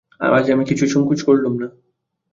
আজ আমি কিছুই সংকোচ করলুম না।